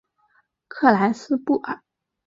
克莱埃布尔。